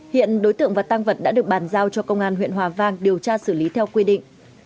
hiện đối tượng và tăng vật đã được bàn giao cho công an huyện hòa vang điều tra xử lý theo quy định